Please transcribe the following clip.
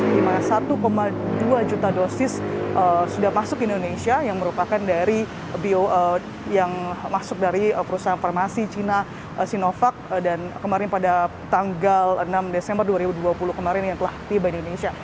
di mana satu dua juta dosis sudah masuk ke indonesia yang merupakan dari bio yang masuk dari perusahaan farmasi sinovac dan kemarin pada tanggal enam desember dua ribu dua puluh kemarin yang telah tiba di indonesia